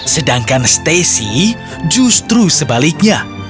sedangkan stacy justru sebaliknya